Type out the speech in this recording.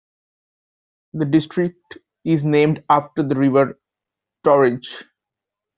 The district is named after the River Torridge.